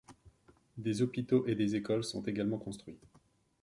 Des hôpitaux et des écoles sont également construits.